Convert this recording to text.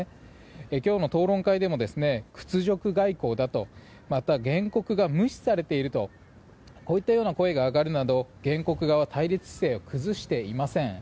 今日の討論会でも屈辱外交だとまた、原告が無視されているとこういったような声が上がるなど原告側は対立姿勢を崩していません。